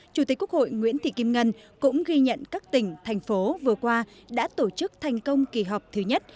chủ tịch quốc hội nguyễn thị kim ngân cũng ghi nhận các tỉnh thành phố vừa qua đã tổ chức thành công kỳ họp thứ nhất